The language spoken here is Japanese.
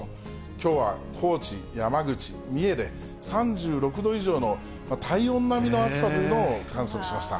きょうは高知、山口、三重で３６度以上の体温並みの暑さというのを観測しました。